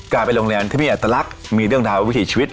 กลายเป็นโรงแรมที่มีอัตลักษณ์มีเรื่องราววิถีชีวิต